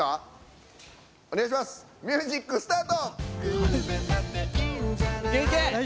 ミュージックスタート！